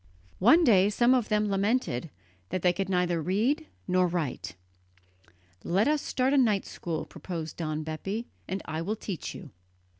One day some of them lamented that they could neither read nor write. "Let us start a night school," proposed Don Bepi, "and I will teach you."